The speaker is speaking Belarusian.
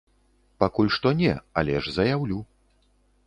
Пакуль што не, але ж заяўлю.